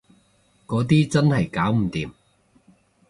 嗰啲真係搞唔掂